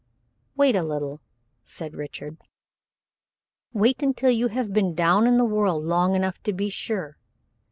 "Wait a little," said Richard. "Wait until you have been down in the world long enough to be sure.